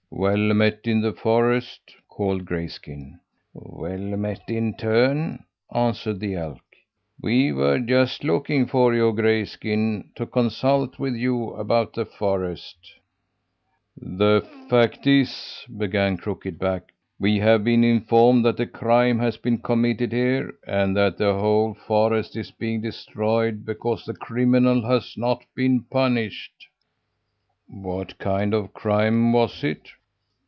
"Well met in the forest!" called Grayskin. "Well met in turn!" answered the elk. "We were just looking for you, Grayskin, to consult with you about the forest." "The fact is," began Crooked Back, "we have been informed that a crime has been committed here, and that the whole forest is being destroyed because the criminal has not been punished." "What kind of a crime was it?"